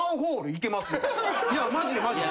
いやマジでマジで。